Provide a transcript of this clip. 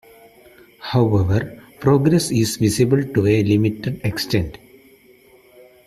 However, progress is visible to a limited extend.